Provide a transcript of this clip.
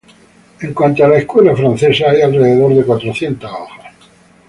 En cuanto a la escuela francesa, hay alrededor de cuatrocientas hojas.